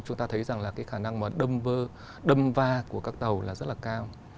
chúng ta thấy rằng là cái khả năng mà đâm va của các tàu là rất là cao